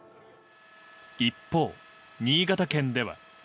一方、新潟県では。